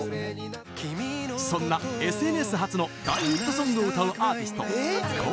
そんなＳＮＳ発の大ヒットソングを歌うアーティストえ！？